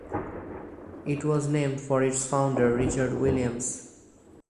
It was named for its founder, Richard Williams.